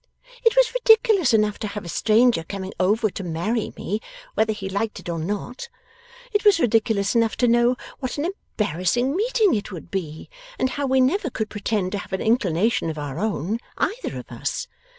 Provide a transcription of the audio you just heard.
It was ridiculous enough to have a stranger coming over to marry me, whether he liked it or not. It was ridiculous enough to know what an embarrassing meeting it would be, and how we never could pretend to have an inclination of our own, either of us.